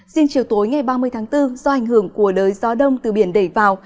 riêng chiều tối ngày ba mươi tháng bốn do ảnh hưởng của đới gió đông từ biển đẩy vào